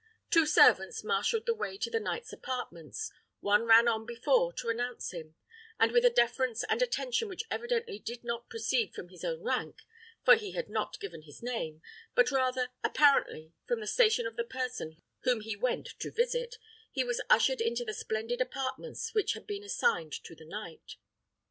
Two servants marshalled the way to the knight's apartments, one ran on before to announce him; and with a deference and attention which evidently did not proceed from his own rank, for he had not given his name, but rather, apparently, from the station of the person whom he went to visit, he was ushered into the splendid apartments which had been assigned to the knight.